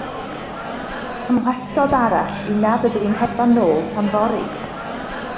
Cymhlethdod arall yw nad ydw i'n hedfan nôl tan fory.